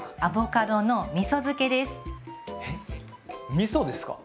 みそですか？